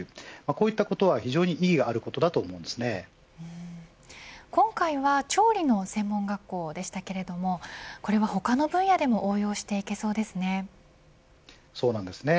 こういったことは非常に意義あることだと今回は調理の専門学校でしたけれどもこれは他の分野でもそうなんですね。